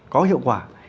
có hiệu quả